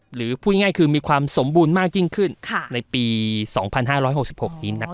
หรือพูดง่ายคือมีความสมบูรณ์มากยิ่งขึ้นค่ะในปีสองพันห้าร้อยหกสิบหกนี้น่ะครับ